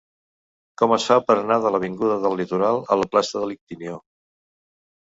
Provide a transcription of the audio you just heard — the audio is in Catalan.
Com es fa per anar de l'avinguda del Litoral a la plaça de l'Ictíneo?